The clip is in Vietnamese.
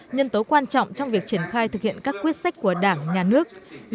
nhân tố quan trọng trong việc triển khai thực hiện các quyết sách của đảng nhà nước